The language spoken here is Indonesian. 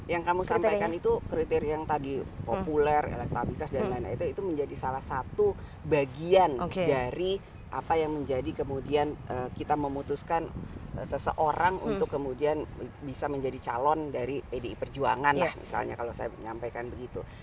yang kamu sampaikan itu kriteria yang tadi populer elektabilitas dan lain lain itu menjadi salah satu bagian dari apa yang menjadi kemudian kita memutuskan seseorang untuk kemudian bisa menjadi calon dari pdi perjuangan lah misalnya kalau saya menyampaikan begitu